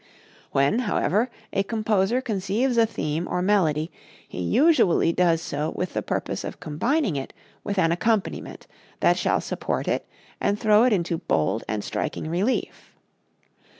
When, however, a composer conceives a theme or melody he usually does so with the purpose of combining it with an accompaniment that shall support it and throw it into bold and striking relief.